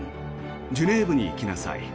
ジュネーブに行きなさい。